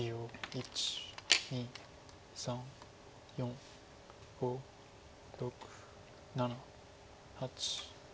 １２３４５６７８。